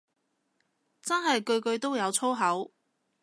真係句句都有粗口